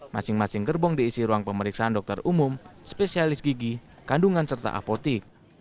masing masing gerbong diisi ruang pemeriksaan dokter umum spesialis gigi kandungan serta apotik